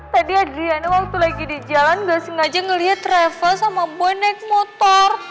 tadi adriana waktu lagi di jalan gak sengaja ngeliat reva sama boy naik motor